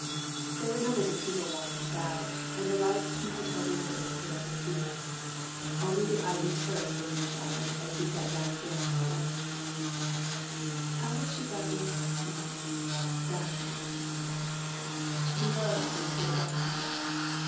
There were numbers of people walking about, and the lights from the hotel windows lit up the scene. Only the ivy terrace was in shadow as he again sat down on the bench. How had she got in last night? That he must find out he rose, and peered about him.